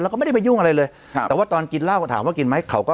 แล้วก็ไม่ได้ไปยุ่งอะไรเลยครับแต่ว่าตอนกินเหล้าถามว่ากินไหมเขาก็